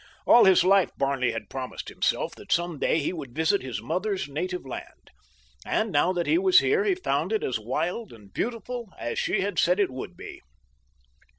All his life Barney had promised himself that some day he should visit his mother's native land, and now that he was here he found it as wild and beautiful as she had said it would be.